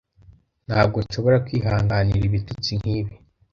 Ntabwo nshobora kwihanganira ibitutsi nkibi.